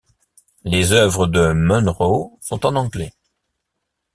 Les œuvres de Munro sont en anglais.